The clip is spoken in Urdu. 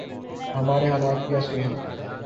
ہمارے حالات جیسے ہیں۔